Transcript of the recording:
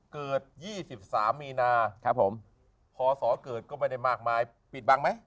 เกิด๒๓มีนาพศเกิดก็ไม่ได้มากมายปิดบังไหม